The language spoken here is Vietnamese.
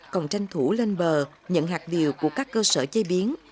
còn tranh thủ lên bờ nhận hạt điều của các cơ sở chế biến